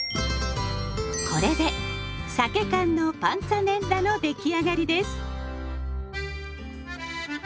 これでさけ缶のパンツァネッラの出来上がりです。